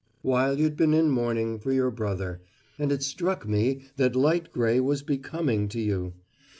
"... While you'd been in mourning for your brother and it struck me that light gray was becoming to you.